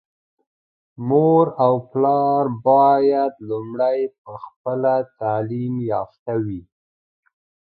مور او پلار بايد لومړی په خپله تعليم يافته وي.